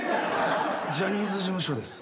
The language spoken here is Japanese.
ジャニーズ事務所です。